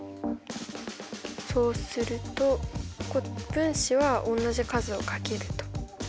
そうすると分子は同じ数をかけると。